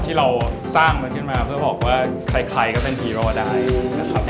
ที่เราสร้างมันขึ้นมาเพื่อบอกว่าใครก็เป็นฮีโร่ได้นะครับ